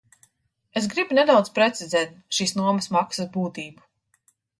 Es gribu nedaudz precizēt šīs nomas maksas būtību.